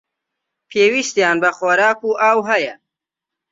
پێویستیان بە خۆراک و ئاو هەیە.